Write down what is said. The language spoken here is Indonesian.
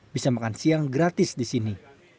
bisa makan siang gratis di sini